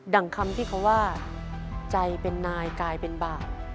่งคำที่เขาว่าใจเป็นนายกลายเป็นบาป